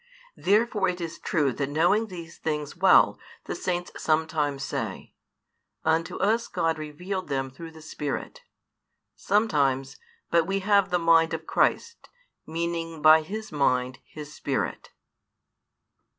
Therefore it is true that knowing these things well, the Saints sometimes say, Unto us God revealed them through the Spirit; sometimes, But we have the mind of Christ, meaning by His mind His Spirit.